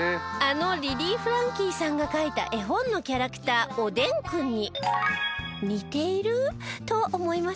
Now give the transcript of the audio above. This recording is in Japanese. あのリリー・フランキーさんが描いた絵本のキャラクターおでんくんに似ていると思いませんか？